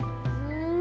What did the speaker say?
うん。